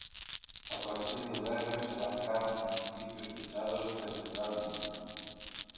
A partir do venres serán catro os municipios pechados perimetralmente.